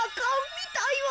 みたいわ。